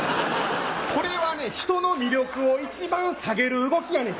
これはね、人の魅力を一番下げる動きやねん。